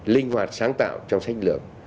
linh hoạt sáng tạo trong sách lượng